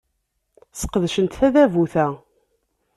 Sqedcent tadabut-a.